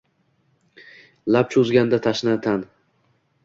Lab cho’zganda tashna tan